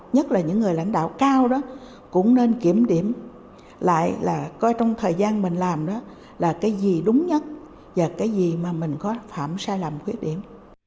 nhất là những người lãnh đạo cao đó cũng nên kiểm điểm lại là coi trong thời gian mình làm đó là cái gì đúng nhất và cái gì mà mình có phạm sai lầm khuyết điểm